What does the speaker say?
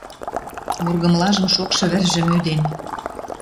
Вургымлажым шокшы вӹржӹ мӱден...